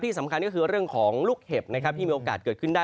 สำคัญก็คือเรื่องของลูกเห็บนะครับที่มีโอกาสเกิดขึ้นได้